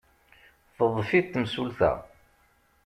Teḍḍef-it temsulta.